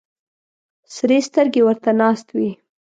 سرې سترګې ورته ناست وي.